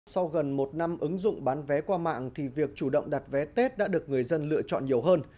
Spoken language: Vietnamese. sau gần một năm ứng dụng bán vé qua mạng thì việc chủ động đặt vé tết đã được người dân lựa chọn nhiều hơn